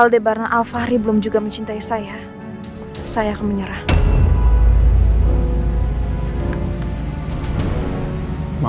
dan saya akan mencintai saya